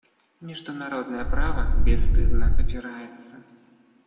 Международное право бесстыдно попирается.